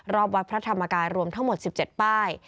วัดพระธรรมกายรวมทั้งหมด๑๗ป้าย